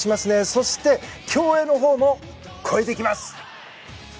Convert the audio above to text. そして競泳のほうも超えていきます！